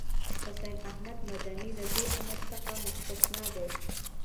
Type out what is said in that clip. حسين احمد مدني له دې امر څخه مستثنی دی.